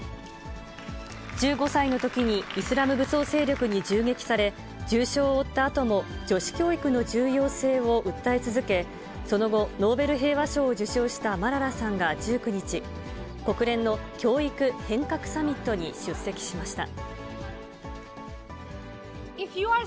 １５歳のときに、イスラム武装勢力に銃撃され、重傷を負ったあとも、女子教育の重要性を訴え続け、その後、ノーベル平和賞を受賞したマララさんが１９日、国連の教育変革サミットに出席しました。